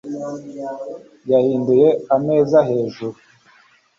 yahinduye ameza hejuru